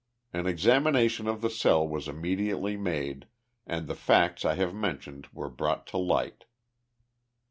An examination of the cell was immediately made and the facts I have mentioned were brought to light.